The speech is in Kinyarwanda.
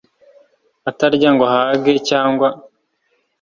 atarya ngo ahage, cyangwa